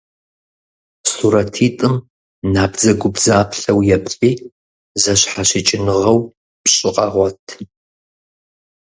Сурэтитӏым набдзэгубдзаплъэу еплъи, зэщхьэщыкӏыныгъэу пщӏы къэгъуэт.